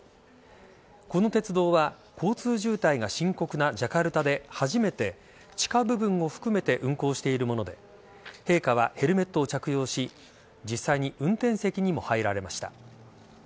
この鉄道は交通渋滞が深刻なジャカルタで初めて地下部分を含めて運行しているもので陛下はヘルメットを着用し実際に運転席にも入られました。